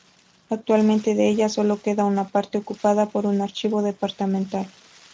Actualmente de ella sólo queda una parte ocupada por un archivo departamental.